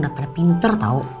udah pada pinter tau